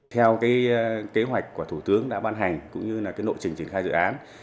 theo kế hoạch của thủ tướng đã ban hành cũng như nội trình triển khai dự án